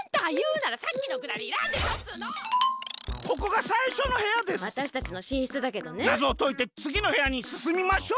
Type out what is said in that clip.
なぞをといてつぎのへやにすすみましょう！